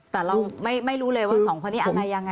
แต่เราไม่รู้เลยว่าสองคนนี้อะไรยังไง